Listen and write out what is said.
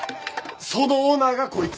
そのオーナーがこいつ？